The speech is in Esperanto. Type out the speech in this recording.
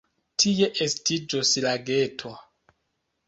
Tie estiĝos lageto.